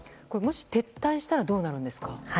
もし撤退したらどうなるんですか。